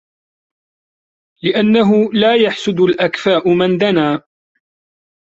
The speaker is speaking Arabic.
لِأَنَّهُ لَا يَحْسُدُ الْأَكْفَاءُ مَنْ دَنَا